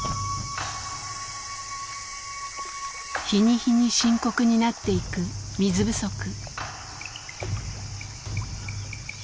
日に日に深刻になっていく水不足。